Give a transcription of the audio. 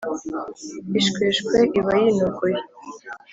ishweshwe iba yinogoye